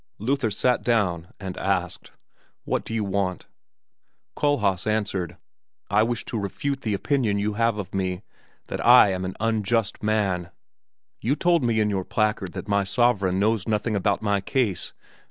Luther sat down and asked, "What do you want?" Kohlhaas answered, "I wish to refute the opinion you have of me, that I am an unjust man! You told me in your placard that my sovereign knows nothing about my case.